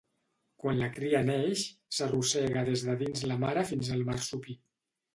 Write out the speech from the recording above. Quan la cria neix, s'arrossega des de dins la mare fins al marsupi.